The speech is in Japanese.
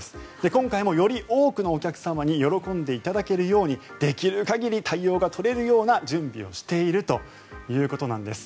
今回も、より多くのお客様に喜んでいただけるようにできる限り対応が取れるような準備をしているということなんです。